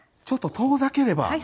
ちょっと遠ざければ。